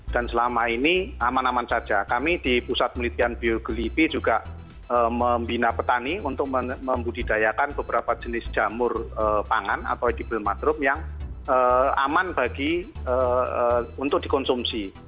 dan selama ini aman aman saja kami di pusat penelitian bioglifi juga membina petani untuk membudidayakan beberapa jenis jamur pangan atau edible madrup yang aman bagi untuk dikonsumsi